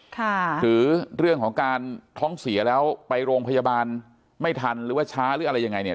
หรือเรื่องของการท้องเสียแล้วไปโรงพยาบาลไม่ทันหรือว่าช้าหรืออะไรยังไงเนี่ย